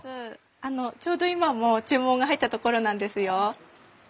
あのちょうど今も注文が入ったところなんですよ。